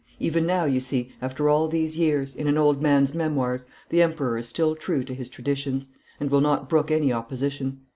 Even now, you see, after all these years, in an old man's memoirs, the Emperor is still true to his traditions, and will not brook any opposition.